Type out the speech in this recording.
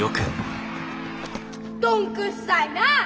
どんくっさいなあ。